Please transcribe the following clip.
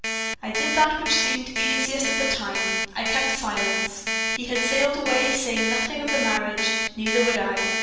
"I did that which seemed easiest at the time I kept silence. He had sailed away, saying nothing of the marriage, neither would I.